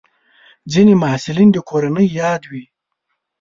ځینې محصلین د کورنۍ یادوي.